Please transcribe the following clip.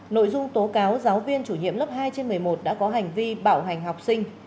nội dung tố cáo giáo viên chủ nhiệm lớp hai trên một mươi một đã có hành vi bạo hành học sinh